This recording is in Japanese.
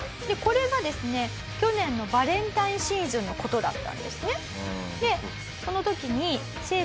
でこれがですね去年のバレンタインシーズンの事だったんですね。